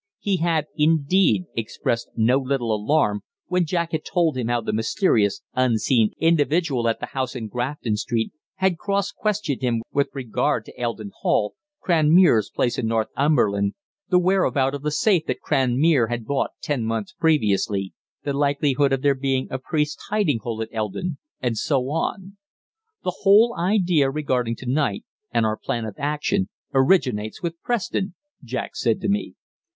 He had, indeed, expressed no little alarm when Jack had told him how the mysterious, unseen individual at the house in Grafton Street had cross questioned him with regard to Eldon Hall, Cranmere's place in Northumberland, the whereabout of the safe that Cranmere had bought ten months previously, the likelihood of there being a priests' hiding hole at Eldon, and so on. "The whole idea regarding to night, and our plan of action, originates with Preston," Jack said to me.